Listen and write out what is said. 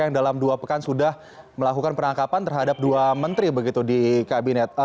yang dalam dua pekan sudah melakukan penangkapan terhadap dua menteri begitu di kabinet